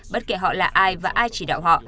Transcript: bất kể họ là ai và ai chỉ đạo họ